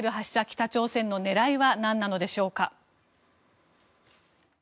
北朝鮮の狙いはなんなのでしょうか。